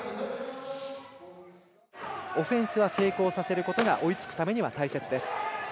オフェンス成功させることが追いつくためには大切です。